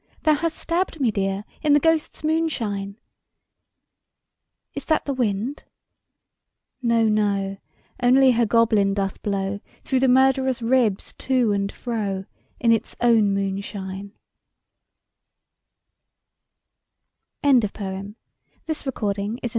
Thou hast stabbed me dear. In the ghosts' moonshine. Is that the wind ? No, no ; Only her goblin doth blow Through the murderer's ribs to and fro, In its own moonshine.